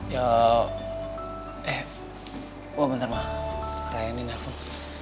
ya eh oh bentar ma raya ini nelfon